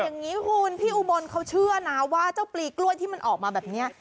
อย่างนี้คุณพี่อุบลเขาเชื่อนะว่าเจ้าปลีกล้วยที่มันออกมาแบบนี้